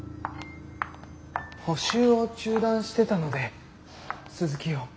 補習を中断してたので続きを。